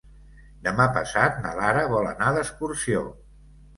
Demà passat na Lara vol anar d'excursió.